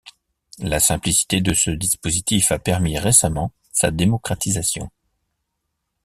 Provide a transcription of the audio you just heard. La simplicité de ce dispositif a permis récemment sa démocratisation.